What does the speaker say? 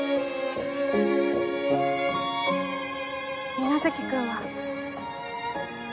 皆月君は。